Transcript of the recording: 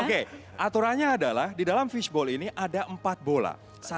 oke aturannya adalah di dalam fishball ini ada empat bola